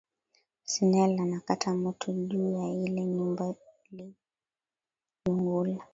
Snel anakata moto juya ile nyumba ili lungula